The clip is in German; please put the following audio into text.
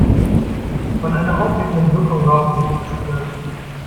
Von einer aufweckenden Wirkung war auch nichts zu spüren.